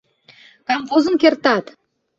Камвозын кертат.